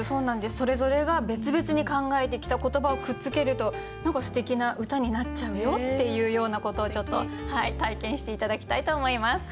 それぞれが別々に考えてきた言葉をくっつけると何かすてきな歌になっちゃうよっていうようなことをちょっと体験して頂きたいと思います。